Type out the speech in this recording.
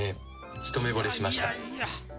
一目ぼれしました。